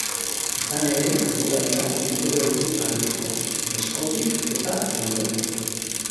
Izan ere, eguraldiak ildo beretik jarraituko du, freskotik eta goibeletik.